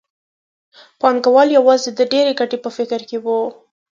پانګوال یوازې د ډېرې ګټې په فکر کې وو